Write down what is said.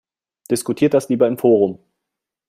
Diskutiert das lieber im Forum!